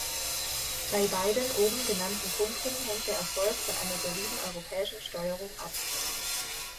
Bei beiden oben genannten Punkten hängt der Erfolg von einer soliden europäischen Steuerung ab.